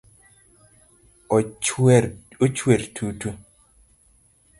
Ochuer tutu?